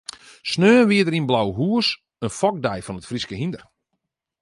Sneon wie der yn Blauhûs in fokdei fan it Fryske hynder.